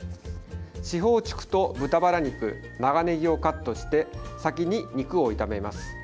四方竹と豚ばら肉、長ねぎをカットして、先に肉を炒めます。